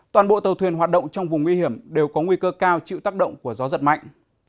toàn bộ tàu thuyền hoạt động trong vùng nguy hiểm đều có nguy cơ cao chịu tác động của gió giật mạnh